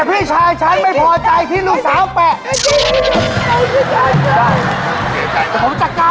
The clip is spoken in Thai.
มาเรื่องดีเอาเจ้าสาวเนี่ยมามองให้เช้าบ่าว